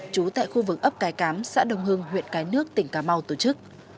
chú tại khu vực ấp cái cám xã đồng hương huyện cái nước tỉnh cà mau tổ chức